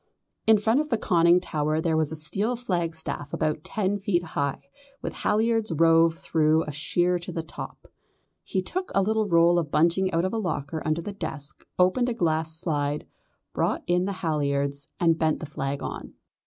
In front of the conning tower there was a steel flagstaff about ten feet high, with halliards rove through a sheer in the top. He took a little roll of bunting out of a locker under the desk, opened a glass slide, brought in the halliards and bent the flag on.